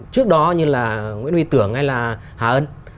trước đó như là nguyễn huy tưởng hay là hà ân